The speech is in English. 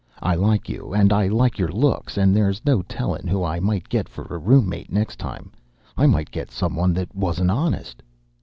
"I like you, and I like your looks, and there's no tellin' who I might get for a roommate next time. I might get some one that wasn't honest."